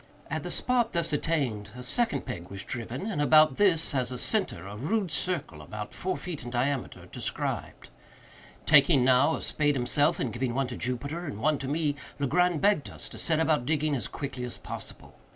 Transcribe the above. At the spot thus attained a second peg was driven, and about this, as a centre, a rude circle, about four feet in diameter, described. Taking now a spade himself, and giving one to Jupiter and one to me, Legrand begged us to set about digging as quickly as possible.